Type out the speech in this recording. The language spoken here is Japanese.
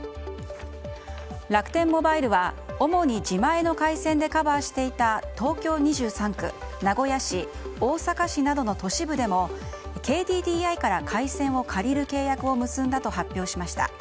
楽天モバイルは主に自前の回線でカバーしていた東京２３区、名古屋市大阪市などの都市部でもＫＤＤＩから回線を借りる契約を結んだと発表しました。